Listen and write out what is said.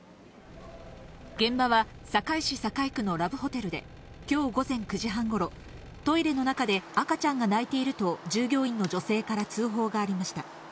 現場は堺市堺区のラブホテルで、きょう午前９時半ごろ、トイレの中で赤ちゃんが泣いていると従業員の女性から通報がありました。